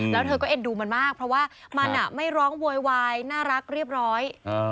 แล้วเธอก็เอ็นดูมันมากเพราะว่ามันไม่ร้องโวยวายน่ารักเรียบร้อย